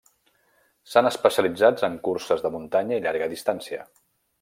S'ha especialitzat en curses de muntanya i llarga distància.